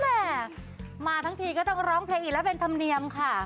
แม่มาทั้งทีก็ต้องร้องเพลงอีกแล้วเป็นธรรมเนียมค่ะ